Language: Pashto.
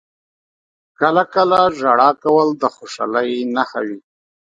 • کله کله ژړا کول د خوشحالۍ نښه وي.